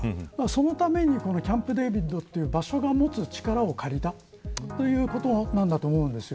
そのためにキャンプデービッドという場所が持つ力を借りたということなんだと思うんですよ。